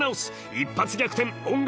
一発逆転音楽